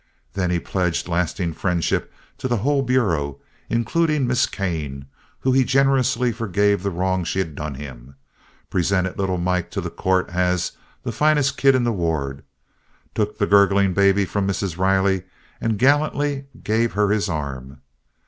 Then he pledged lasting friendship to the whole Bureau, including Miss Kane, whom he generously forgave the wrong she had done him, presented little Mike to the Court as "de foinest kid in de ward," took the gurgling baby from Mrs. Riley and gallantly gave her his arm.